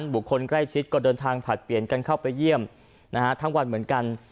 บุคคลใกล้ชิดก็เดินทางผลัดเปลี่ยนกันเข้าไปเยี่ยมทั้งวันเหมือนกัน